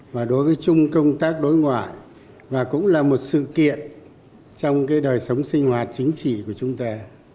mà đối với chung công tác đối ngoại và cũng là một sự kiện trong cái đời sống sinh hoạt chính trị của chúng ta